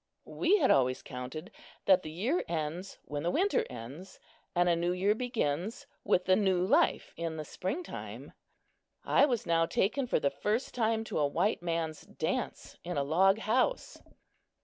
We had always counted that the year ends when the winter ends, and a new year begins with the new life in the springtime. I was now taken for the first time to a white man's dance in a log house.